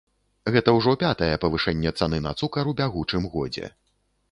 Гэта ўжо пятае павышэнне цаны на цукар у бягучым годзе.